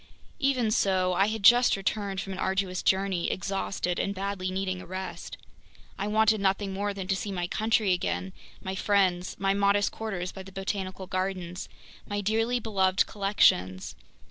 Even so, I had just returned from an arduous journey, exhausted and badly needing a rest. I wanted nothing more than to see my country again, my friends, my modest quarters by the Botanical Gardens, my dearly beloved collections!